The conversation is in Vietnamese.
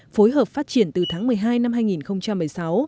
phối hợp phát triển từ tháng một mươi hai năm hai nghìn một mươi sáu